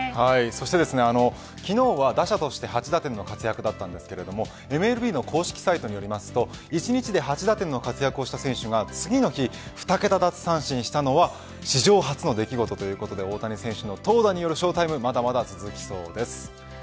そして昨日は打者として８打点の活躍でしたがＭＬＢの公式サイトによりますと１日で８打点の活躍をした選手が次の日２桁奪三振をしたのは史上初の出来事ということで大谷選手の投打によるショータイムはまだまだ続きそうです。